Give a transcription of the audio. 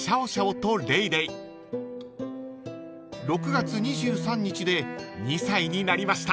［６月２３日で２歳になりました］